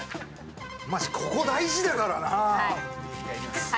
マジここ大事だからな。